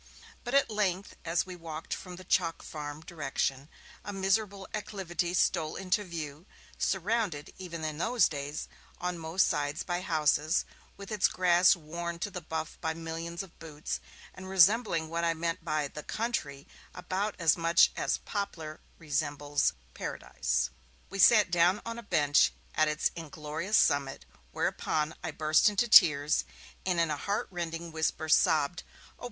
But at length, as we walked from the Chalk Farm direction, a miserable acclivity stole into view surrounded, even in those days, on most sides by houses, with its grass worn to the buff by millions of boots, and resembling what I meant by 'the country' about as much as Poplar resembles Paradise. We sat down on a bench at its inglorious summit, whereupon I burst into tears, and in a heart rending whisper sobbed, 'Oh!